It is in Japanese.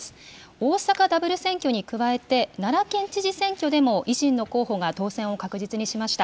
大阪ダブル選挙に加えて、奈良県知事選挙でも維新の候補が当選を確実にしました。